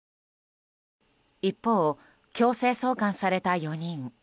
一方、強制送還された４人。